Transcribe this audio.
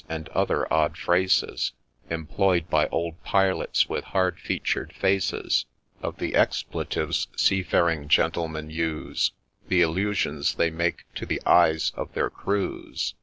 ' and other odd phrases Employ'd by old pilots with hard featured faces ;— Of the expletives seafaring Gentlemen use, The allusions they make to the eyes of their crews.